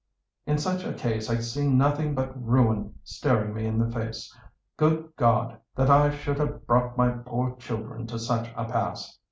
In such a case I see nothing but ruin staring me in the face. Good God! that I should have brought my poor children to such a pass!"